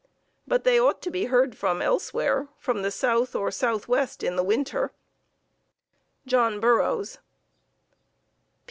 But they ought to be heard from elsewhere from the south or southwest in winter. John Burroughs.